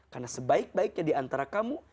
karena sebaik baiknya diantara kamu